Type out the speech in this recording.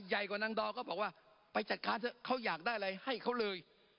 ใหญ่กว่านางดอก็บอกว่าไปจัดการเถอะเขาอยากได้อะไรให้เขาเลย